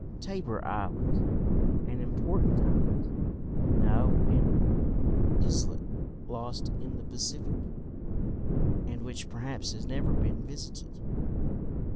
"Tabor Island." "An important island?" "No, an islet lost in the Pacific, and which perhaps has never been visited."